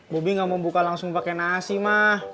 bobi gak mau buka langsung pakai nasi mah